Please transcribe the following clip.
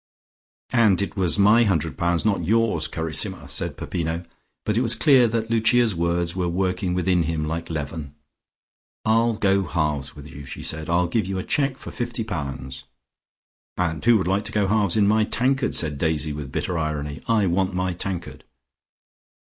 "And it was my hundred pounds, not yours, carissima," said Peppino. But it was clear that Lucia's words were working within him like leaven. "I'll go halves with you," she said. "I'll give you a cheque for fifty pounds." "And who would like to go halves in my tankard?" said Daisy with bitter irony. "I want my tankard."